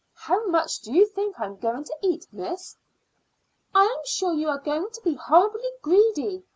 How much do you think I'm going to eat, miss?" "I'm sure you are going to be horribly greedy.